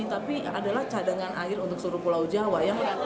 tapi adalah cadangan air untuk seluruh pulau jawa